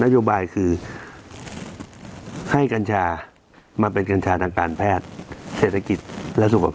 โยบายคือให้กัญชามาเป็นกัญชาทางการแพทย์เศรษฐกิจและสุขภาพ